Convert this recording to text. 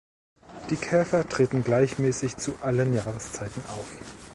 Die Käfer treten gleichmäßig zu allen Jahreszeiten auf.